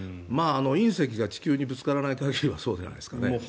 隕石が地球にぶつからない限りはそうじゃないですかね。